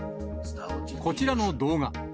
こちらの動画。